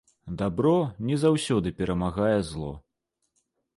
Дабро не заўсёды перамагае зло.